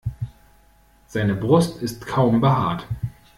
Seine Brust ist kaum behaart.